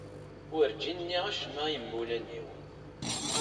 Werǧin nniɣ acemma i yimawlan-iw.